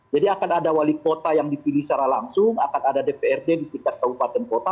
jadi akan ada wali kota yang dipilih secara langsung akan ada dprd di sekitar kabupaten kota